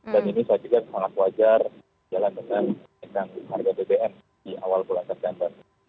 dan ini saya juga sangat wajar jalan dengan harga bbm di awal bulan september